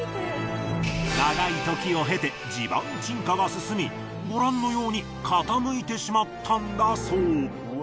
長い時を経て地盤沈下が進みご覧のように傾いてしまったんだそう。